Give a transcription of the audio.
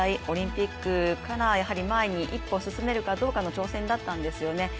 オリンピックから前に一歩進めるとかどうかの挑戦だったんですよね。